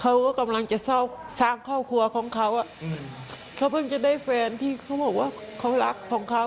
เขาก็กำลังจะสร้างครอบครัวเขาเพิ่งจะได้แฟนที่เขาเรียกว่าเขารักของเขา